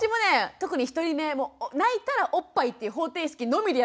特に１人目泣いたらおっぱいっていう方程式のみでやってたんですよ。